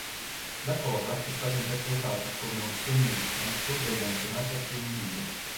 La cosa è stata interpretata come un segno di culto degli antenati al femminile.